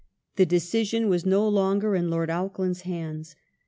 The decision was by Lord no longer in Lord Auckland's hands.